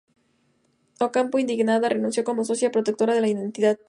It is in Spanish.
Ocampo, indignada, renunció como socia protectora de la entidad.